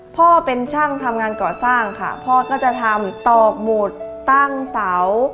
พ่อเป็นช่างทำงานก่อสร้างค่ะพ่อก็จะทำตอกหมุดตั้งเสา